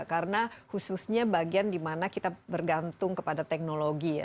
karena khususnya bagian di mana kita bergantung kepada teknologi ya